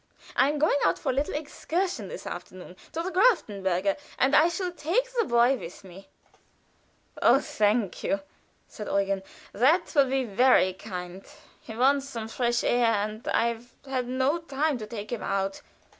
I am going out for a little excursion this afternoon, to the Grafenberg, and I shall take the boy with me." "Oh, thank you," said Eugen; "that will be very kind. He wants some fresh air, and I've had no time to take him out.